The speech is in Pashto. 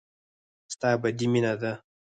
ستا ابدي مينه ده.